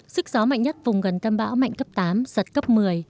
sức gió mạnh nhất vùng gần tâm bão mạnh cấp tám giật cấp một mươi